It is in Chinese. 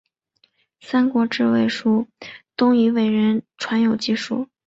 三国志魏书东夷倭人传有记述。